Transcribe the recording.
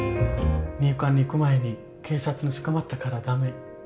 入管に行く前に警察に捕まったから駄目。